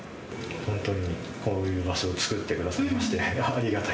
本当に、こういう場所を作ってくださいまして、ありがたい。